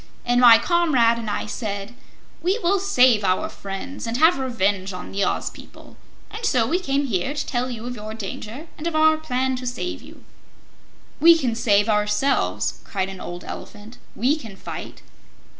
And my comrade and I said: 'We will save our friends and have revenge on the Oz people,' and so we came here to tell you of your danger and of our plan to save you." "We can save ourselves," cried an old Elephant. "We can fight."